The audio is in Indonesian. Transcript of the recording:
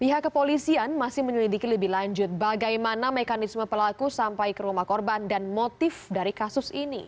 pihak kepolisian masih menyelidiki lebih lanjut bagaimana mekanisme pelaku sampai ke rumah korban dan motif dari kasus ini